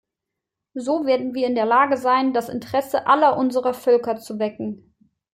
So werden wir in der Lage sein, das Interesse aller unserer Völker zu wecken.